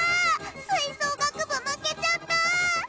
吹奏楽部負けちゃった！